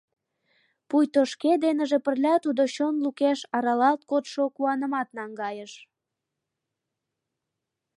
Пуйто шке деныже пырля тудо чон лукеш аралалт кодшо куанымат наҥгайыш.